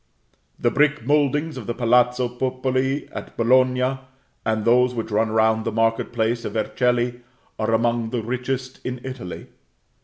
The brick mouldings of the Palazzo Pepoli at Bologna, and those which run round the market place of Vercelli, are among the richest in Italy.